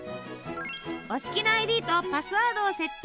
お好きなＩＤとパスワードを設定。